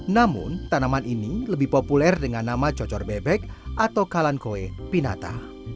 namun tanaman ini lebih populer dengan nama cocor bebek atau kalankoe pinata